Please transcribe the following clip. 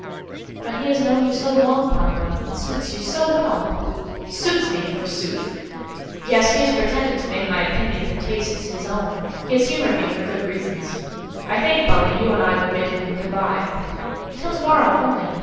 "But he has known you so long, papa, and suits you so well." "Suits me, forsooth! Yes; he has pretended to make my opinions and tastes his own. He has humoured me for good reasons. I think, Polly, you and I will bid him good by." "Till to morrow only.